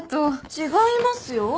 違いますよ。